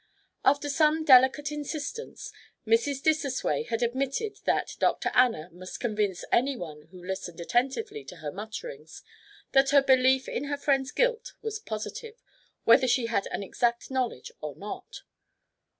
After some delicate insistence, Mrs. Dissosway had admitted that Dr. Anna must convince any one who listened attentively to her mutterings that her belief in her friend's guilt was positive, whether she had exact knowledge or not.